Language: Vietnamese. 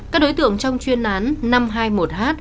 các đối tượng trong chuyên án năm trăm hai mươi một h